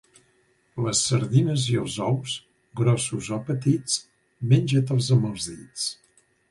Les sardines i els ous, grossos o petits, menja-te'ls amb els dits.